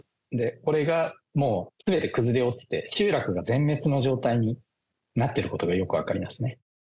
これがもう、すべて崩れ落ちて、集落が全滅の状態になってることがよく分かりますね。